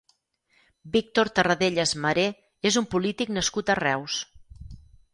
Víctor Terradellas Maré és un polític nascut a Reus.